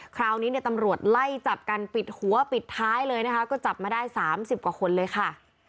คราวนี้เนี่ยตำรวจไล่จับกันปิดหัวปิดท้ายเลยนะคะก็จับมาได้๓๐กว่าคนเลยค่ะ